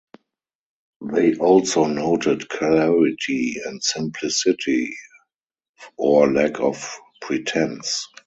They also noted clarity and simplicity or lack of pretense.